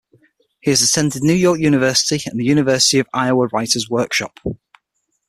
He has attended New York University and the University of Iowa Writers' Workshop.